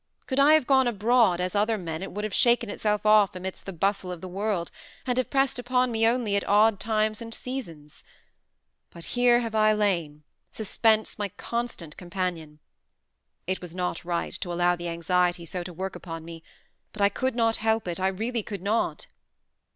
Could I have gone abroad, as other men, it would have shaken itself off amidst the bustle of the world, and have pressed upon me only at odd times and seasons. But here have I lain; suspense my constant companion. It was not right, to allow the anxiety so to work upon me: but I could not help it; I really could not."